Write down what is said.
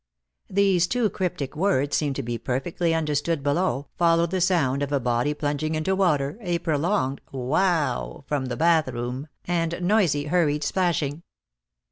These two cryptic words seeming to be perfectly understood below, followed the sound of a body plunging into water, a prolonged "Wow!" from the bathroom, and noisy hurried splashing.